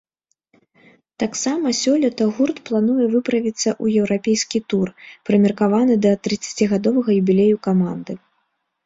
Таксама сёлета гурт плануе выправіцца ў еўрапейскі тур, прымеркаваны да трыццацігадовага юбілею каманды.